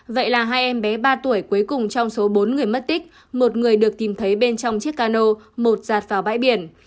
vậy là hai em bé ba tuổi cuối cùng trong số bốn người mất tích một người được tìm thấy bên trong chiếc cano một giạt vào bãi biển